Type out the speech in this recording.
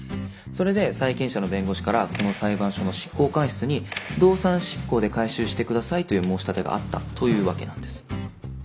それで債権者の弁護士からこの裁判所の執行官室に動産執行で回収してくださいという申し立てがあったというわけなんです。